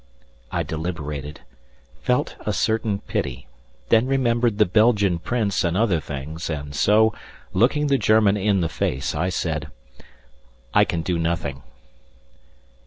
I deliberated, felt a certain pity, then remembered the Belgian Prince and other things, and so, looking the German in the face, I said: "I can do nothing."